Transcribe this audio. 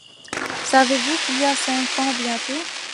Savez-vous qu’il a cinq ans bientôt?